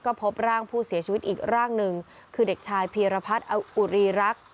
ก็พบร่างผู้เสียชีวิตอีกร่างหนึ่งคือเด็กชายพีรพัฒน์อุรีรักษ์